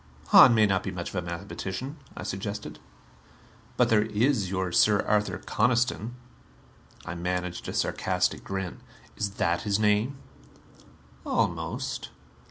"Hahn may not be much of a mathematician," I suggested. "But there is your Sir Arthur Coniston." I managed a sarcastic grin. "Is that his name?" "Almost.